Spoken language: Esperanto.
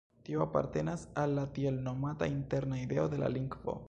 Tio apartenas al la tiel nomata interna ideo de la lingvo.